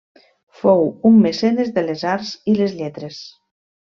Fou un mecenes de les arts i les lletres.